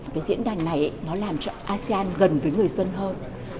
cái diễn đàn này nó làm cho asean gần với người dân hơn